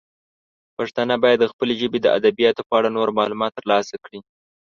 پښتانه باید د خپلې ژبې د ادبیاتو په اړه نور معلومات ترلاسه کړي.